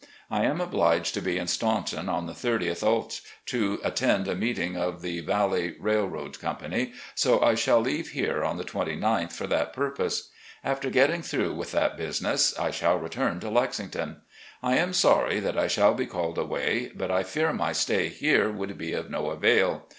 I am obliged to be in Staunton on the 30th ult. to attend a meeting of the Valley Railroad Company, so I shall leave here on the 29th for that purpose. After getting through with that business, I shall return to Lexington. I am sorry that I shall be called away, but I fear my stay here would be of no avail.